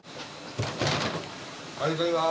おはようございます。